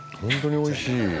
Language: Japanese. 本当においしい。